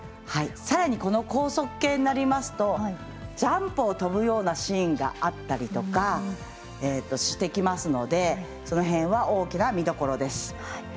さらに高速系になりますとジャンプを飛ぶようなシーンがあったりしてきますのでその辺は大きな見どころです。